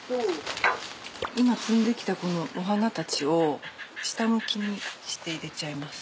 今摘んできたこのお花たちを下向きにして入れちゃいます。